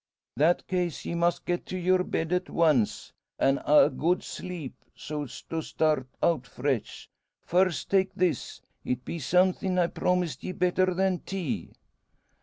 "That case ye must get to your bed at oncst, an' ha' a good sleep, so's to start out fresh. First take this. It be the somethin' I promised ye better than tea."